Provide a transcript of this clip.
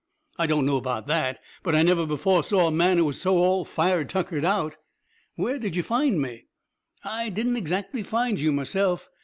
I don't know about that, but I never before saw a man who was so all fired tuckered out." "Where did you find me?" "I didn't exactly find you myself.